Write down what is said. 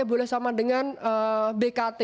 boleh sama dengan bkt